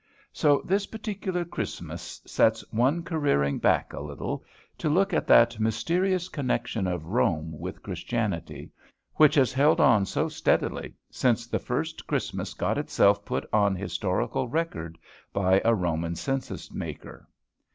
So this particular Christmas sets one careering back a little, to look at that mysterious connection of Rome with Christianity, which has held on so steadily since the first Christmas got itself put on historical record by a Roman census maker.